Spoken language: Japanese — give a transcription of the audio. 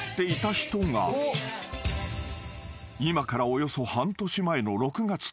［今からおよそ半年前の］